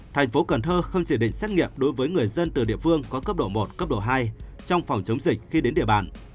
thành phố cần thơ không chỉ định xét nghiệm đối với người dân từ địa phương có cấp độ một cấp độ hai trong phòng chống dịch khi đến địa bàn